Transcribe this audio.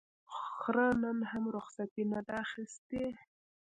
خره نن هم رخصتي نه ده اخیستې.